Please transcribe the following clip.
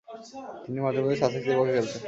তিনি মাঝে-মধ্যে সাসেক্সের পক্ষে খেলতেন।